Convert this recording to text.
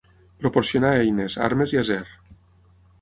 Proporcionar eines, armes, i acer.